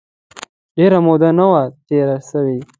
ډېره موده نه وه تېره سوې.